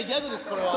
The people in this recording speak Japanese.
これは。